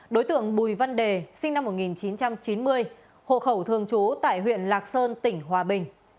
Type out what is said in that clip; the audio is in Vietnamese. đối tượng bùi văn đề sinh năm một nghìn chín trăm chín mươi hộ khẩu thường trú tại huyện lạc sơn tỉnh hòa bình